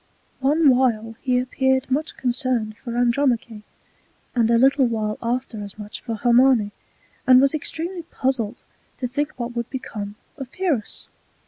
One while he appeared much concerned for Andromache; and a little while after as much for Hermione: and was extremely puzzled to think what would become of Pyrrhus.